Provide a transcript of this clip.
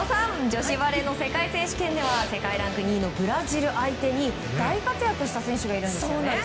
女子バレーの世界選手権では世界ランク２位のブラジル相手に大活躍した選手がいるんですよね。